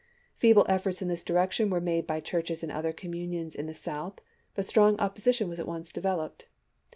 Feeble efforts in this direction were made by churches in other communions in the South, but strong opposition was at once developed.